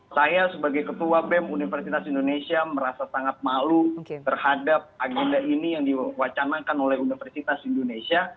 saya sebagai ketua bem universitas indonesia merasa sangat malu terhadap agenda ini yang diwacanakan oleh universitas indonesia